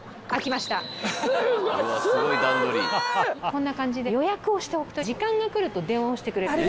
こんな感じで予約をしておくと時間が来ると電話をしてくれる。